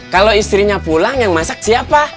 kalau istrinya pulang yang masak siapa